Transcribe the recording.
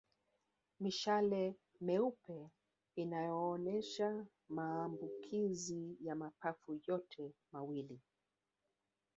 Mishale meupe inayoonyesha maambukizi ya mapafu yote mawili